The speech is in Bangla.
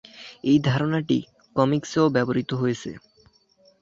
এই ধারণাটি কমিকসেও ব্যবহৃত হয়েছে।